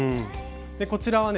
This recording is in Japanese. こちらはね